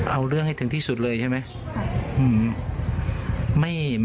เอาเรื่องให้ถึงที่สุดเลยใช่ไหม